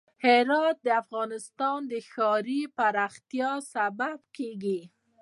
هرات د افغانستان د ښاري پراختیا سبب کېږي.